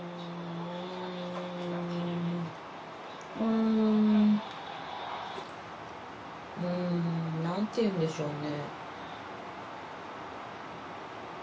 んん何ていうんでしょうね。